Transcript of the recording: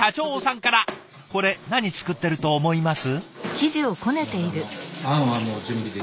これ何作ってると思います？